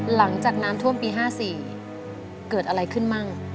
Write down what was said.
หลังจากน้ำท่วมปี๕๔เกิดอะไรขึ้นมั่ง